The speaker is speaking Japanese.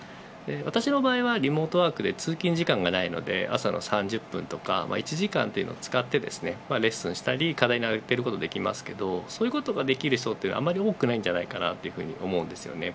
私の場合はリモートワークで通勤時間がないので朝の３０分とか１時間を使ってレッスンしたり課題に充てることができますがそういうことができる人はあまり多くないからだと思います。